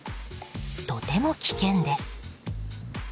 とても危険です。